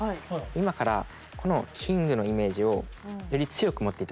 今からこのキングのイメージをより強く持って頂きたいんです。